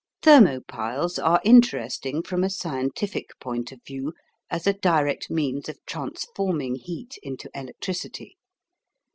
Thermo piles are interesting from a scientific point of view as a direct means of transforming heat into electricity.